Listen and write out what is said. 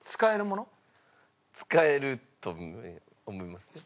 使えると思いますよ。